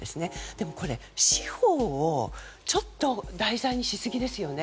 でもこれ、司法をちょっと題材にしすぎですね。